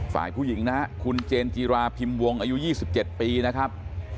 ฝ่ายผู้หญิงนะครับคุณเจนจิราพิมพ์วงอายุ๒๗ปีนะครับ